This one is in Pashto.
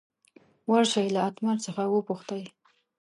ور شئ له اتمر څخه وپوښتئ.